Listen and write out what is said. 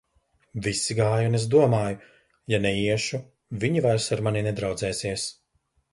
Visi gāja, un es domāju: ja neiešu, viņi vairs ar mani nedraudzēsies.